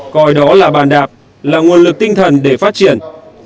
coi đó là bàn đạp là nguồn lực tinh thần để phát triển